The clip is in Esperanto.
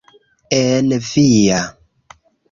En via!